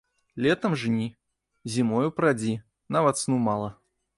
Летам жні, зімою прадзі, нават сну мала.